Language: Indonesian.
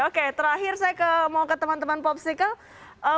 oke terakhir saya mau ke teman teman popsicle